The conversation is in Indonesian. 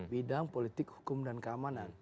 bidang politik hukum dan keamanan